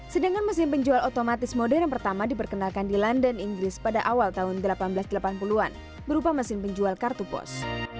sedangkan mesin penjual otomatis modern pertama diperkenalkan di london inggris pada awal tahun seribu delapan ratus delapan puluh an berupa mesin penjual kartu pos